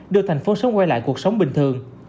đưa thành phố sớm quay lại cuộc sống bình thường